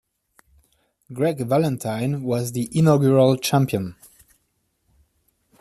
Greg Valentine was the inaugural champion.